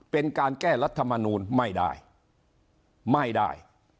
เป็นการแก้รัฐมนูลไม่ได้ไม่ได้